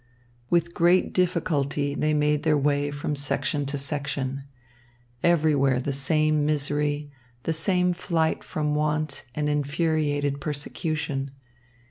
With great difficulty they made their way from section to section. Everywhere the same misery, the same flight from want and infuriated persecution.